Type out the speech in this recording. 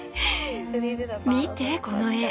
見てこの絵。